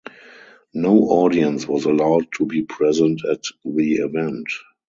No audience was allowed to be present at the event.